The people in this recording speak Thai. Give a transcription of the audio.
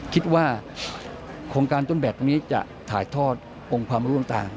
คิดว่าโครงการต้นแบบนี้จะถ่ายทอดองค์ความรู้ต่าง